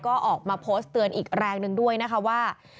ก็ออกมาโพสต์เตือนอีกแรงหนึ่งด้วยนะคะว่า